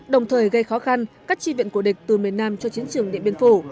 đồng thời gây khó khăn cắt chi viện của địch từ miền nam cho chiến trường địa biên phủ